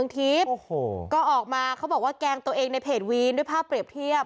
ตัวเองในเพจวีนด้วยภาพเปรียบเทียบ